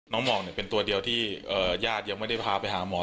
หมอกเป็นตัวเดียวที่ญาติยังไม่ได้พาไปหาหมอ